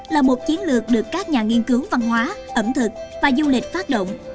là một chiến lược được các nhà nghiên cứu văn hóa ẩm thực và du lịch phát động